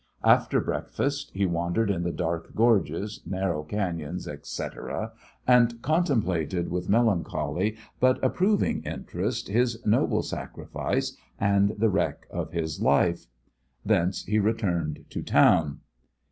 After breakfast, he wandered in the dark gorges, narrow canons, et cetera, and contemplated with melancholy but approving interest his noble sacrifice and the wreck of his life. Thence he returned to town.